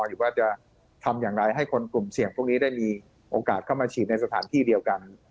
อยู่ว่าจะทำอย่างไรให้คนกลุ่มเสี่ยงพวกนี้ได้มีโอกาสเข้ามาฉีดในสถานที่เดียวกัน